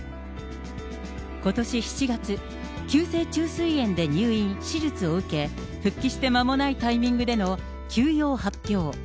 ことし７月、急性虫垂炎で入院・手術を受け、復帰して間もないタイミングでの休養発表。